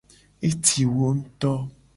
Eti wo ngto.